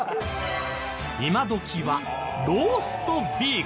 今どきはローストビーフ。